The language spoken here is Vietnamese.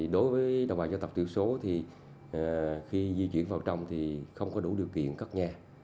đối với đồng bào gia tập tiểu số thì khi di chuyển vào trong thì không có đủ điều kiện cất nhà